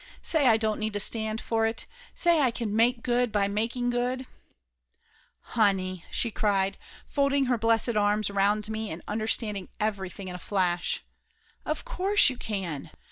"Say I don't need to stand for it. Say I can make good by making good !" "Honey !" she cried, folding her blessed arms around me and understanding everything in a flash. "Of course you can!